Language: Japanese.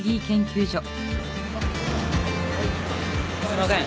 すいません。